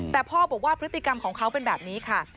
แต่พ่อบอกว่าพฤติกรรมของเขาเป็นแบบนี้ค่ะ